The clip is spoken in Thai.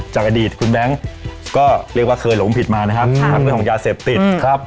จากอดีตคุณแบงค์ก็เรียกว่าเคยหลงผิดมานะครับทั้งเรื่องของยาเสพติดครับ